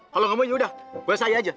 kalau gak mau ya udah buat saya aja